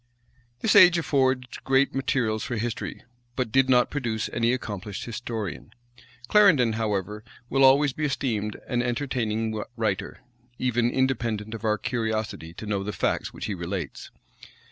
This age affords great materials for history; but did not produce any accomplished historian. Clarendon, however, will always be esteemed an entertaining writer, even independent of our curiosity to know the facts which he relates.